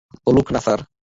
বলুক, স্যার।